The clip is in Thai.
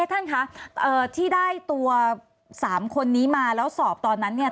ท่านคะที่ได้ตัว๓คนนี้มาแล้วสอบตอนนั้นเนี่ย